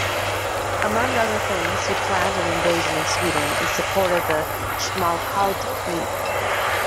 Among other things, he planned an invasion in Sweden and supported the Schmalkaldic League.